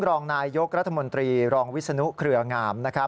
รองนายยกรัฐมนตรีรองวิศนุเครืองามนะครับ